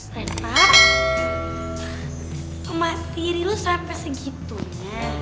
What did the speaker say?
reva pematiri lu sampai segitunya